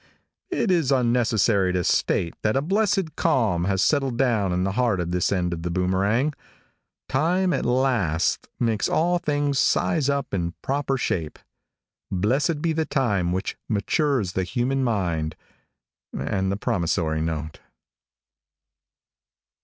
It is unnecessary to state that a blessed calm has settled down in the heart of this end of The Boomerang. Time, at last, makes all things size up in proper shape. Blessed be the time which matures the human mind and the promissory note.